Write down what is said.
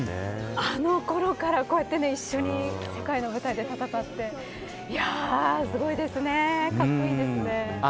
あのころから、こうやって一緒に世界の舞台で戦ってすごいですね、格好いいですね。